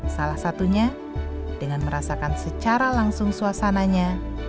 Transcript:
salah satunya dengan merasakan secara langsung suasananya